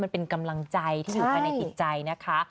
มันเป็นกำลังใจที่อยู่ภายในจิตใจนะคะ